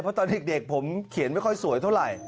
เพราะตอนเด็กผมเขียนไม่ค่อยสวยเท่าไหร่